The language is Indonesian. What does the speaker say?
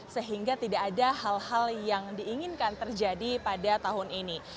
sehingga tidak ada hal hal yang diinginkan terjadi pada tahun ini